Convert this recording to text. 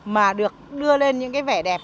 mà được đưa lên những vẻ đẹp